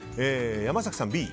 山崎さん、Ｂ。